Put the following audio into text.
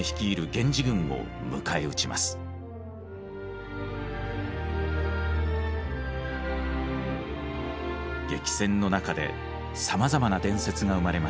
激戦の中でさまざまな伝説が生まれました。